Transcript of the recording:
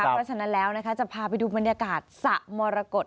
เพราะฉะนั้นแล้วนะคะจะพาไปดูบรรยากาศสระมรกฏ